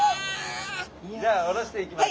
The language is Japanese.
じゃあおろしていきます。